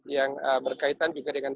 yang berkaitan juga dengan